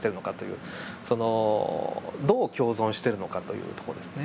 そのどう共存しているのかというとこですね。